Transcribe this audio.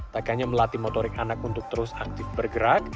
tak hanya melatih motorik anak untuk terus aktif bergerak